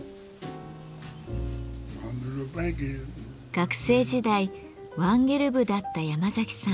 学生時代ワンゲル部だった山崎さん。